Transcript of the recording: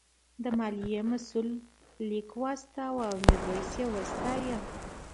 د مالیې مسوول لیک واستاوه او میرويس یې وستایه.